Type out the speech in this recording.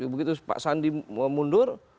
begitu pak sandi mau mundur